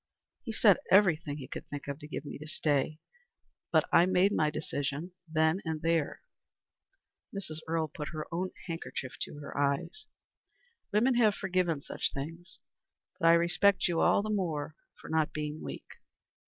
He said everything he could think of to get me to stay, but I made my decision then and there." Mrs. Earle put her own handkerchief to her eyes. "Women have forgiven such things; but I respect you all the more for not being weak.